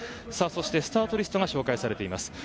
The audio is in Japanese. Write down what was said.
そして、スタートリストが紹介されています。